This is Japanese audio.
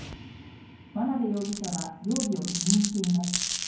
眞鍋容疑者は容疑を否認しています。